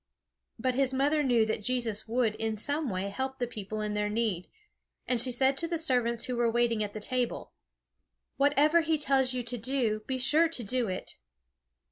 But his mother knew that Jesus would in some way help the people in their need, and she said to the servants who were waiting at the table: "Whatever he tells you to do, be sure to do it."